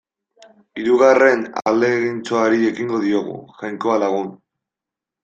Hirugarren ahalegintxoari ekingo diogu, Jainkoa lagun.